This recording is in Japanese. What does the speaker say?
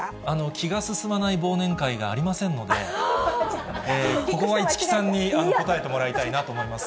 気が進まない忘年会がありませんので、ここは市來さんに答えてもらいたいなと思います。